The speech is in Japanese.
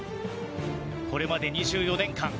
これまで２４年間